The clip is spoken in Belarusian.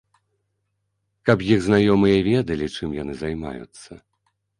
Каб іх знаёмыя ведалі, чым яны займаюцца.